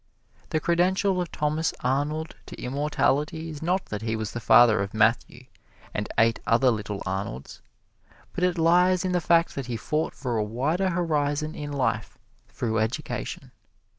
The credential of Thomas Arnold to immortality is not that he was the father of Matthew and eight other little Arnolds, but it lies in the fact that he fought for a wider horizon in life through education.